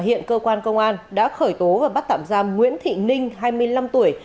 hiện cơ quan công an đã khởi tố và bắt tạm giam nguyễn thị ninh hai mươi năm tuổi